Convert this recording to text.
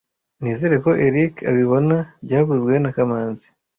Nizere ko Eric abibona byavuzwe na kamanzi